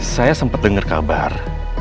saya sempat dengar kabar